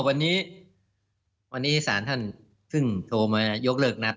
วันนี้สารท่านซึ่งโทรมายกเลิกนัด